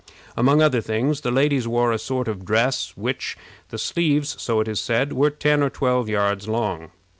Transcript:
Among other things, the ladies wore a sort of dress of which the sleeves, so it is said, were ten or twelve yards long.